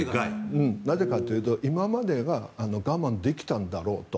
なぜかというと今までは我慢できたんだろうと。